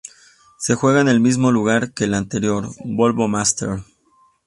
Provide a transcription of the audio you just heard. Se juega en el mismo lugar que el anterior Volvo Masters.